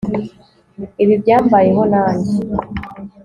Ibi byambayeho nanjye